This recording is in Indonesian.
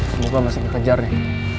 semoga masih dikejar nih